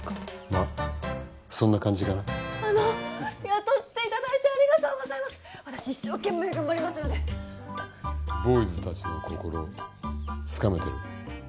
まっそんな感じかなあの雇っていただいてありがとうございますっ私一生懸命頑張りますのでボーイズたちの心つかめてる？